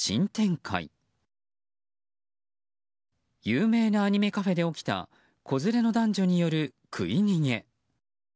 有名なアニメカフェで起きた子連れの男女による食い逃げ。